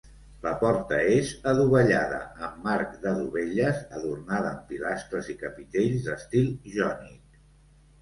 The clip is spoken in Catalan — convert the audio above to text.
La porta és adovellada amb marc de dovelles, adornada amb pilastres i capitells d'estil jònic.